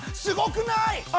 すごくない！？